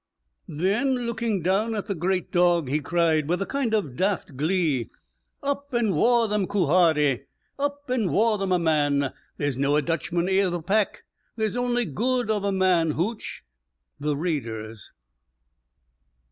Then, looking down at the great dog, he cried, with a kind of daft glee: "Up an' waur them a', Quharrie, Up an' waur them a', man; There's no a Dutchman i' the pack That's ony guid ava, man Hooch!" _The Raiders.